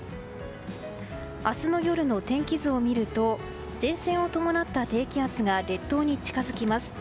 明日の夜の天気図を見ると前線を伴った低気圧が列島に近づきます。